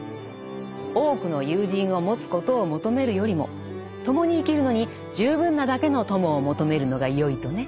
多くの友人を持つことを求めるよりも共に生きるのに十分なだけの友を求めるのがよいとね。